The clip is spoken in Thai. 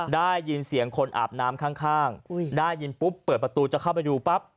ได้ยินเสียงคนอาบน้ำข้างได้ยินปุ๊บเปิดประตูจะเข้าไปดูปั๊บ